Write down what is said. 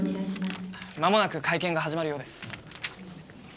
まもなく会見が始まるようです。